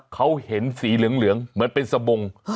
เขาเห็นสีเหลืองเหลืองเหมือนเป็นสมง